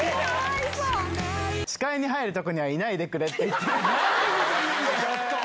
視界に入る所にはいないでくれって言って。